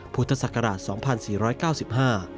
พุทธศักราช๒๔๙๕